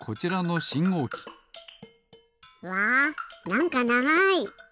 うわなんかながい。